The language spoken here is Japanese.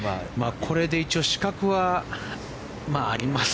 これで一応資格はあります。